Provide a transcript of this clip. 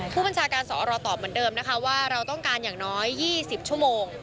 ผู้บัญชาการสอรตอบเหมือนเดิมนะคะว่าเราต้องการอย่างน้อย๒๐ชั่วโมง